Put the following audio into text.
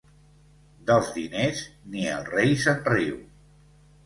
Dels diners, ni el rei se'n riu.